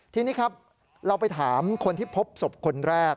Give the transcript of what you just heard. ทีนี้ครับเราไปถามคนที่พบศพคนแรก